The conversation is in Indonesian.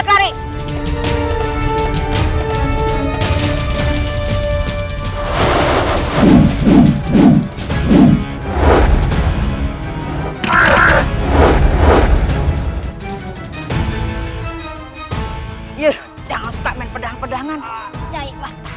keian cepet lari